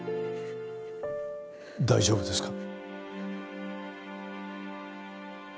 大丈夫ですか？